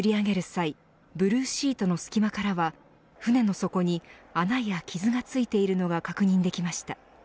際ブルーシートの隙間からは船の底に穴や傷がついているのが確認できました。